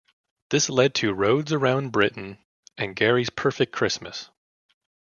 This led to "Rhodes Around Britain" and "Gary's Perfect Christmas".